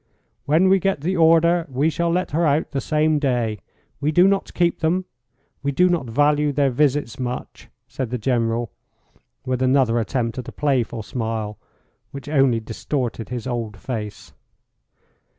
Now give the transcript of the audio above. "When we get the order we shall let her out the same day. We do not keep them; we do not value their visits much," said the General, with another attempt at a playful smile, which only distorted his old face.